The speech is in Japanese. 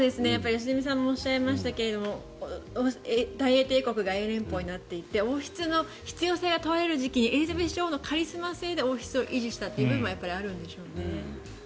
良純さんもおっしゃいましたが大英帝国が英連邦になっていって王室の必要性が問われる時期にエリザベス女王のカリスマ性で王室を維持した部分もあるんでしょうね。